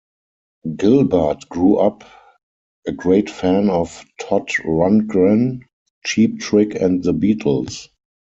Gilbert grew up a great fan of Todd Rundgren, Cheap Trick and The Beatles.